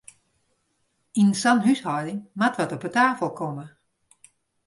Yn sa'n húshâlding moat wat op 'e tafel komme!